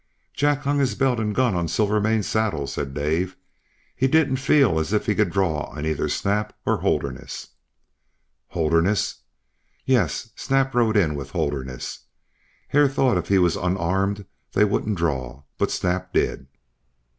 "Jack hung his belt and gun on Silvermane's saddle," said Dave. "He didn't feel as if he could draw on either Snap or Holderness " "Holderness!" "Yes. Snap rode in with Holderness. Hare thought if he was unarmed they wouldn't draw. But Snap did."